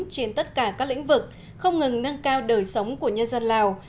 trên tất cả các lĩnh vực không ngừng nâng cao đời sống của nhân dân lào